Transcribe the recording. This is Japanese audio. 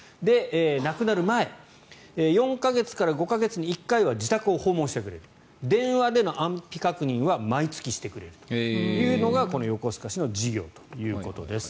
亡くなる前４か月から５か月に一度は自宅を訪問してくれる電話での安否確認は毎月してくれるというのがこの横須賀市の事業ということです。